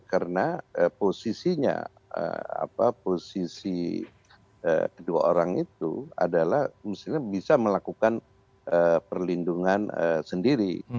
karena posisinya posisi kedua orang itu adalah bisa melakukan perlindungan sendiri